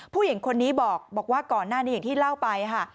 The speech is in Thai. ผู้หญิงคนนี้บอกว่าก่อนหน้านี้อย่างที่เล่าไปค่ะ